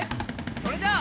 それじゃあ。